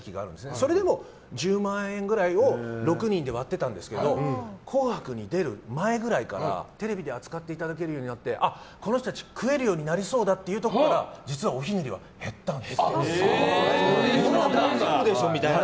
それでも１０万円くらいを６人で割ってたんですけど「紅白」に出る前くらいからテレビで扱っていただけるようになってあ、この人たち、食えるようになりそうだというところからこれは大丈夫でしょみたいな。